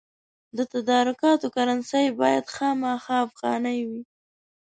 د تدارکاتو کرنسي باید خامخا افغانۍ وي.